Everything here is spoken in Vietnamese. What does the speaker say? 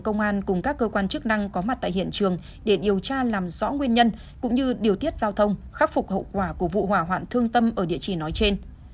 công an cùng các cơ quan chức năng có mặt tại hiện trường để điều tra làm rõ nguyên nhân cũng như điều tiết giao thông khắc phục hậu quả của vụ hỏa hoạn thương tâm ở địa chỉ nói trên